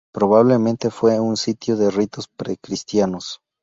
Probablemente fue un sitio de ritos pre-cristianos.